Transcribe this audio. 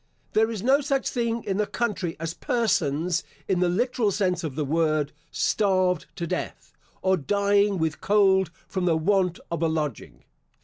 There is no such thing in the country as persons, in the literal sense of the word, starved to death, or dying with cold from the want of a lodging.